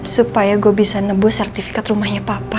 supaya gue bisa nebu sertifikat rumahnya papa